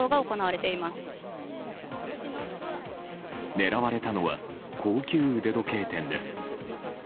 狙われたのは高級腕時計店です。